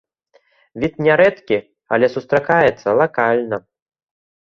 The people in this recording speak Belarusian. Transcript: Від нярэдкі, але сустракаецца лакальна.